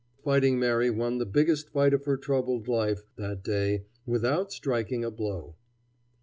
Fighting Mary won the biggest fight of her troubled life that day, without striking a blow.